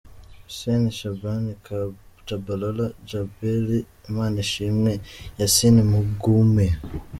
Huseni Shabani "cabalala",jabeli Imanishimwe, Yasini Mugume.